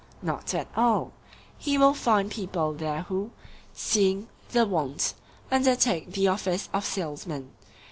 Not at all; he will find people there who, seeing the want, undertake the office of salesmen.